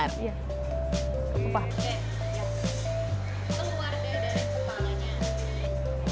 keluar dari kepalanya